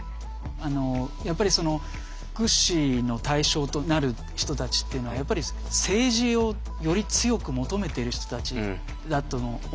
やっぱり福祉の対象となる人たちっていうのは政治をより強く求めている人たちだと思うんですね。